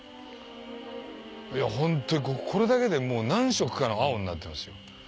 ホントにこれだけで何色かの青になってますよ。